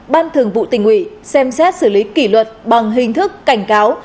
ban thường vụ tỉnh ủy xem xét xử lý kỷ luật bằng hình thức cảnh cáo